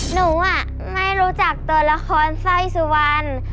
หนูไม่รู้จักตัวละครสร้อยสุวรรณ